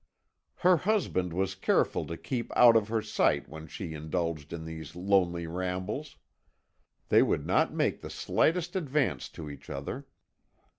"Her husband was careful to keep out of her sight when she indulged in these lonely rambles. They would not make the slightest advance to each other.